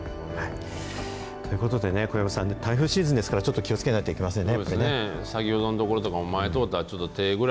ということで、小藪さん、台風シーズンですから、ちょっと気をつけないといけませんね。